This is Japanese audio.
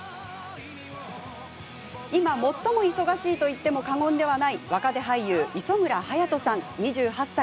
今、最も忙しいと言っても過言ではない若手俳優磯村勇斗さん、２８歳。